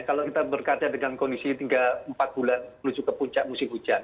kalau kita berkata dengan kondisi tinggal empat bulan menuju ke puncak musim hujan